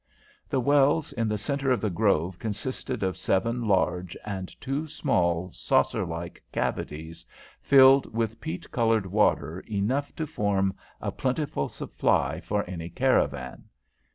The wells in the centre of the grove consisted of seven large and two small saucerlike cavities filled with peat coloured water enough to form a plentiful supply for any caravan.